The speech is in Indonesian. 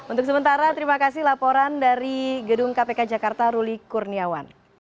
untuk sementara terima kasih laporan dari gedung kpk jakarta ruli kurniawan